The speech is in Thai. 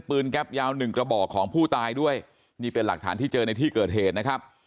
แก๊ปยาวหนึ่งกระบอกของผู้ตายด้วยนี่เป็นหลักฐานที่เจอในที่เกิดเหตุนะครับ